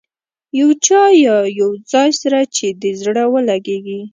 یو چا یا یو ځای سره چې دې زړه ولګېږي.